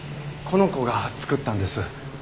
この子が作ったんです。